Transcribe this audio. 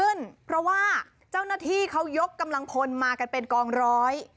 เพราะว่าเจ้าหน้าที่เขายกกำลังพลมากันเป็นกองร้อย